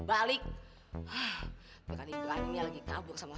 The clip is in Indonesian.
jatuh liat pelitangnya